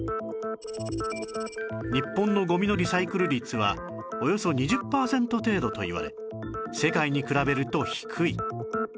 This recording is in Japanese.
日本のゴミのリサイクル率はおよそ２０パーセント程度といわれ世界に比べると低い